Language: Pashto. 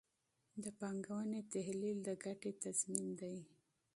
د پانګونې تحلیل د ګټې تضمین دی.